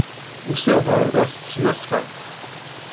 Usiɣ-d ɣer da s tesnasɣalt.